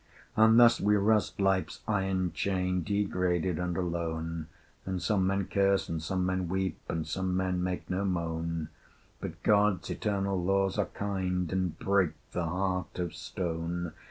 And thus we rust Life's iron chain Degraded and alone: And some men curse, and some men weep, And some men make no moan: But God's eternal Laws are kind And break the heart of stone.